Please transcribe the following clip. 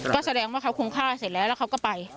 ก็แสดงว่าเขาคุ้มค่าเสร็จแล้วแล้วเขาก็ไป